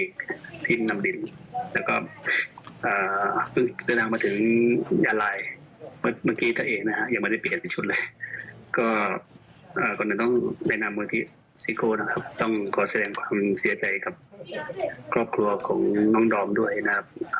ก่อนหน่อยต้องแนะนำมูลทิศสิโคนะครับต้องขอแสดงความเสียใจกับครอบครัวของน้องดอมด้วยนะครับ